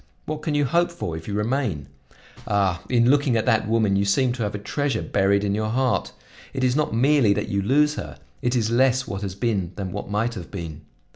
What can you hope for if you remain? Ah! in looking at that woman you seem to have a treasure buried in your heart. It is not merely that you lose her, it is less what has been than what might have been.